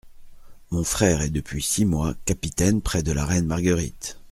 Mon frère est depuis six mois capitaine près de la reine Marguerite.